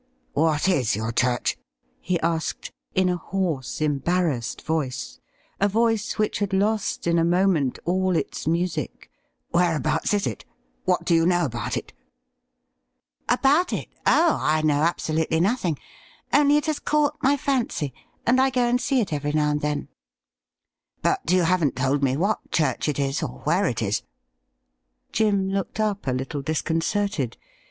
' What is your church .?'' he asked, in a hoarse, embar rassed voice — a voice which had lost in a moment all its music ; 'whereabouts is it ? What do you know about it ?' About it .'' Oh, I know absolutely nothing. Only it has caught my fancy, and I go and see it every now and then.' 'But you haven't told me what chvu ch it is or where it is.' Jim looked up a little disconcerted.